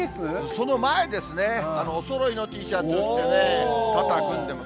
その前ですね、おそろいのＴシャツを着てね、肩組んでます。